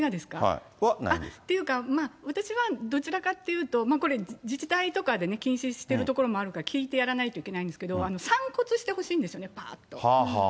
私はどちらかっていうと、これ、自治体とかで禁止しているところもあるから、聞いてやらないといけないんですけど、散骨してほしいんですよね、ぱーっと。